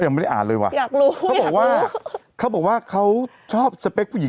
ยังไม่ได้อ่านเลยว่ะอยากรู้เขาบอกว่าเขาบอกว่าเขาชอบสเปคผู้หญิง